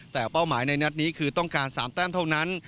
แต่เป้าหมายในนัดนี้คือต้องการ๓แต้มเท่านั้น